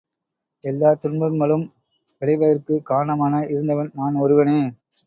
எல்லாத் துன்பங்களும் விளைவதற்குக் காரணமாக இருந்தவன் நான் ஒருவனே.